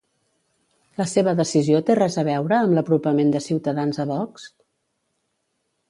La seva decisió té res a veure amb l'apropament de Ciutadans a Vox?